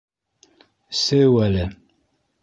Сеү әле...